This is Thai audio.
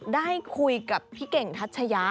ได้คุยกับพี่เก่งทัชยะ